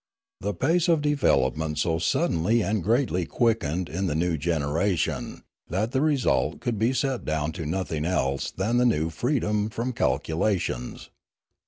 The pace of development so suddenly and greatly quickened in the new generation that the result could be set down to nothing else than the new freedom from calculations.